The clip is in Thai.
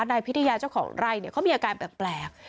นายพิธียาเจ้าของไร่เขามีอาการแบบแปลก